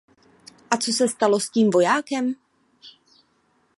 A co se stalo s tím vojákem?